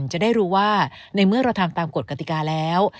จะได้รู้ว่าในเมื่อเราทำตามกฎกติกาแล้ว